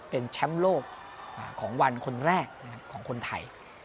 เป็นแชมป์โลกของวันคนแรกของคนไทย